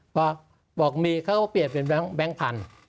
พอบอกมีเขาก็เปลี่ยนเป็นแบงค์พันธุ์